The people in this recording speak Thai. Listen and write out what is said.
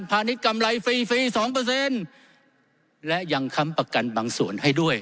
ธานิดกำไรฟรี๒และยังค้ำประกันบางส่วนให้ด้วย